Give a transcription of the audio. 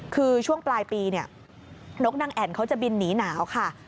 คือช่วงปลายปีเนี่ยนกนางแอ่นเขาจะบินหนีหนาวค่ะ